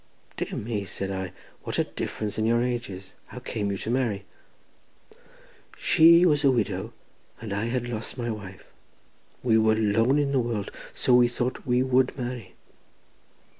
"Dear me," said I, "what a difference in your ages! how came you to marry?" "She was a widow, and I had lost my wife. We were lone in the world, so we thought we would marry."